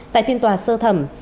tại phiên tòa sơ thẩm